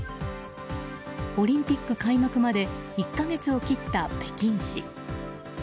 オリンピック開幕まで１か月を切った北京市。